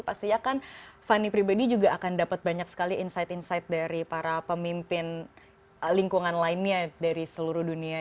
pastinya kan fanny pribadi juga akan dapat banyak sekali insight insight dari para pemimpin lingkungan lainnya dari seluruh dunia